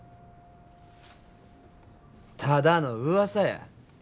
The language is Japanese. ただのうわさや。